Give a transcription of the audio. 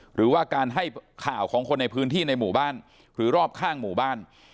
หรือว่าการให้ข่าวของคนในพื้นที่ในหมู่บ้านหรือรอบข้างหมู่บ้าน